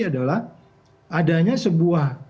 adalah adanya sebuah